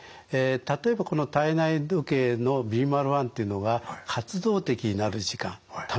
例えばこの体内時計のビーマル１というのが活動的になる時間貯めるわけですよ。